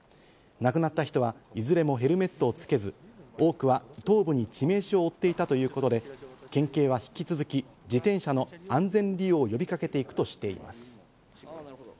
なった人は、いずれもヘルメットをつけず、多くは頭部に致命傷を負っていたということで、県警は引き続き、自転車の安全利用を呼びかけていくとしています。